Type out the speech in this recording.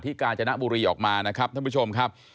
กาญจนบุรีออกมานะครับท่านผู้ชมครับ